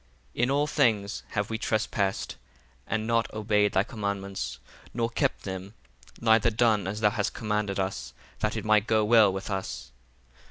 7 In all things have we trespassed, and not obeyed thy commandments, nor kept them, neither done as thou hast commanded us, that it might go well with us.